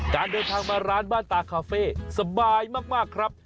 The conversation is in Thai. เดินทางมาร้านบ้านตาคาเฟ่สบายมากครับ